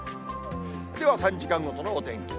では、３時間ごとのお天気。